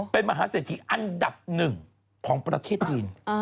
เป็นมหาเศรษฐีอันดับหนึ่งของประเทศจีน